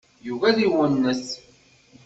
Yugi ad d-iwennet.